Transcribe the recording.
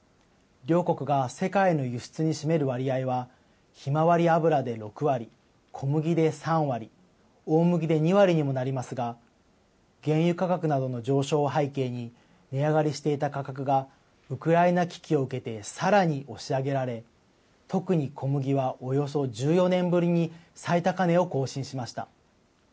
両国が世界の輸出に占める割合は、ヒマワリ油で６割、小麦で３割、大麦で２割にもなりますが、原油価格などの上昇を背景に、値上がりしていた価格が、ウクライナ危機を受けて、さらに押し上げられ、特に小麦はおよそ１４年ぶりに最高値を更新しました。